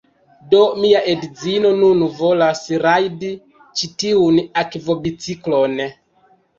Do, mia edzino nun volas rajdi ĉi tiun akvobiciklon